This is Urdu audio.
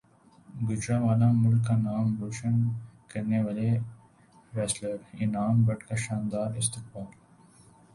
گوجرانوالہ ملک کا نام روشن کرنیوالے ریسلر انعام بٹ کا شاندار استقبال